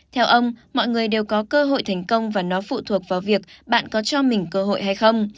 theo ông mọi người đều có cơ hội thành công và nó phụ thuộc vào việc bạn có cho mình cơ hội hay không